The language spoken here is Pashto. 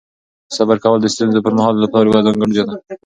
صبر کول د ستونزو پر مهال د پلار یوه ځانګړتیا ده.